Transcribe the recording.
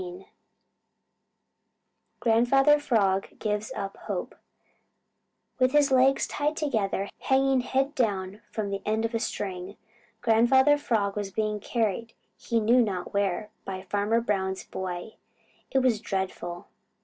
XV GRANDFATHER FROG GIVES UP HOPE With his legs tied together, hanging head down from the end of a string, Grandfather Frog was being carried he knew not where by Farmer Brown's boy. It was dreadful.